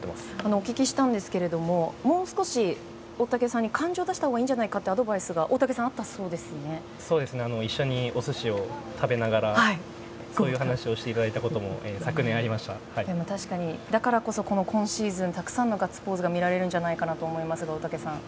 お聞きしたんですがもう少し感情を出したほうがいいんじゃないかというアドバイスが一緒にお寿司を食べながらそういう話をしていただいたこともだからこそ今シーズンはたくさんのガッツポーズが見られるんじゃないかと思います。